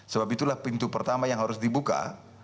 sebab itulah pintu pertama yang harus dibuka